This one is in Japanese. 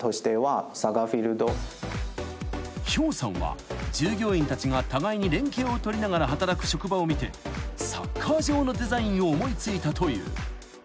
［馮さんは従業員たちが互いに連携を取りながら働く職場を見てサッカー場のデザインを思い付いたという］